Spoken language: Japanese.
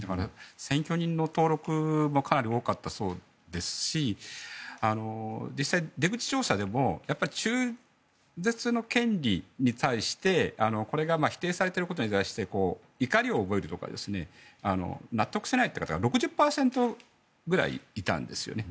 選挙人の登録もかなり多かったそうですし実際、出口調査でも中絶の権利に対してこれが否定されていることに対して怒りを覚えるとか納得していないという方が６０％ぐらいいたんですよね。